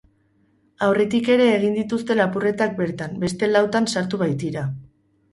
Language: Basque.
Aurretik ere egin dituzte lapurretak bertan, beste lautan sartu baitira.